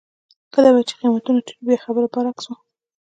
کله به چې قېمتونه ټیټ وو بیا خبره برعکس وه.